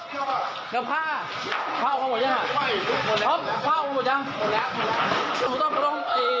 เดี๋ยวผ้าผ้าออกมาหมดยังฮะครับผ้าออกมาหมดยังหมดแล้ว